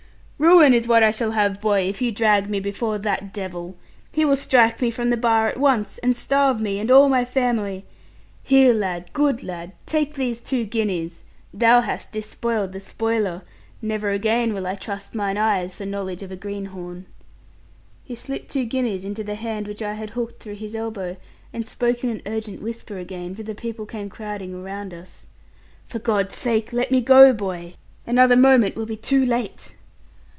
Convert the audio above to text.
'Ruin is what I shall have, boy, if you drag me before that devil. He will strike me from the bar at once, and starve me, and all my family. Here, lad, good lad, take these two guineas. Thou hast despoiled the spoiler. Never again will I trust mine eyes for knowledge of a greenhorn.' He slipped two guineas into the hand which I had hooked through his elbow, and spoke in an urgent whisper again, for the people came crowding around us 'For God's sake let me go, boy; another moment will be too late.'